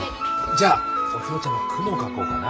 じゃあお父ちゃまは雲を描こうかな。